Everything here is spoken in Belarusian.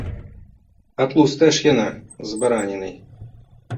А тлустая ж яна, з баранінай.